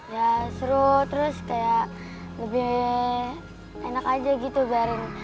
ya seru terus kayak lebih enak aja gitu bareng